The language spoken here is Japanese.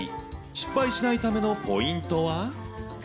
失敗しないためのポイントは？